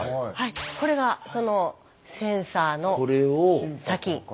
これがそのセンサーの先。